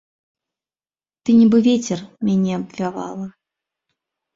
Ты, нібы вецер, мяне абвявала.